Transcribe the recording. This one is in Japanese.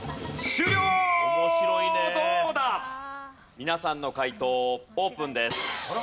皆さんの解答オープンです。